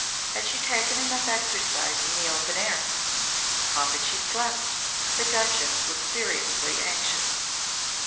Had she taken enough exercise in the open air? How had she slept? The Duchess was seriously anxious.